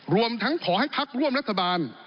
รวมทั้งขอให้พักร่วมรัฐบาล